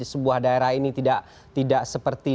sebuah daerah ini tidak seperti